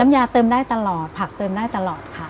ยาเติมได้ตลอดผักเติมได้ตลอดค่ะ